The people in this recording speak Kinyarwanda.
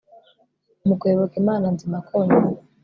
Mu kuyoboka Imana nzima konyine